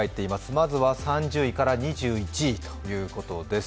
まずは３０位から２１位ということです。